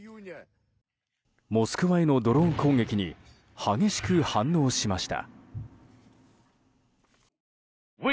モスクワへのドローン攻撃に激しく反応しました。